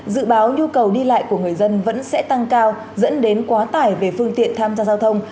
dự báo nhu cầu đi lại của người dân vẫn sẽ tăng cao dẫn đến quá tải về phương tiện tham gia giao thông